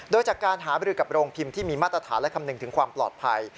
โดยจากการหาบริกับโรงพิมพ์ที่มีมาตรฐานและคำนึงถึงความปลอดภัย